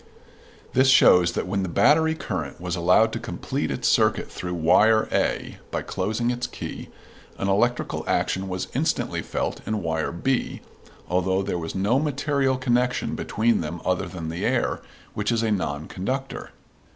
This shows that when the battery current was allowed to complete its circuit through wire A by closing its key, an electrical action was instantly felt in wire B, although there was no material connection between them other than the air, which is a non conductor.